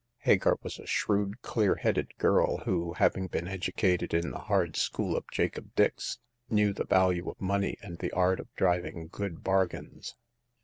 Hagar was a shrewd, clear headed girl, who, having been educated in the hard school of Jacob Dix, knew the value of money and the art of driving good bargains.